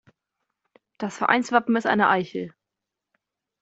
Das Vereinswappen ist eine Eichel.